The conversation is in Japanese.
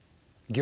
「行」